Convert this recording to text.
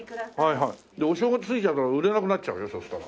お正月過ぎちゃうと売れなくなっちゃうよそしたら。